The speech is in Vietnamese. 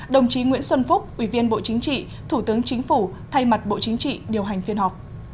đồng chí nguyễn xuân phúc ủy viên bộ chính trị thủ tướng chính phủ thay mặt bộ chính trị điều hành phiên họp